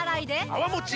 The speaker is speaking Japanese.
泡もち